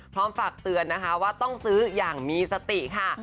ฝากเตือนนะคะว่าต้องซื้ออย่างมีสติค่ะ